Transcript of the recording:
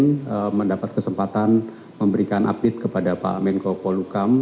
kami mendapat kesempatan memberikan update kepada pak menko polukam